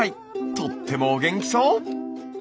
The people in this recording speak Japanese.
とってもお元気そう！